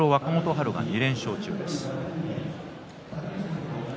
春の２連勝中です。